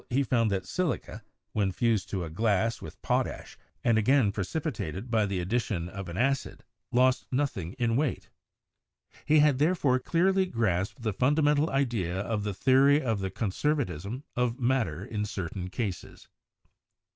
he found that silica, when fused to a glass with potash and again precipitated by the addition of an acid, lost nothing in weight. He had there 72 CHEMISTRY fore clearly grasped the fundamental idea of the theory of the conservatism of matter in certain cases.